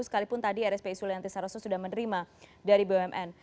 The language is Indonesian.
sekalipun tadi rspi sulianti saroso sudah menerima dari bumn